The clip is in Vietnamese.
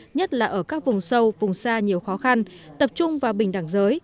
nhất là ở các vùng sâu vùng xa nhiều khó khăn tập trung vào bình đẳng giới